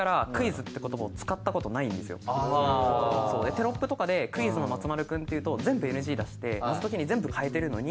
テロップとかでクイズの松丸くんっていうと全部ＮＧ出して謎解きに全部変えてるのに。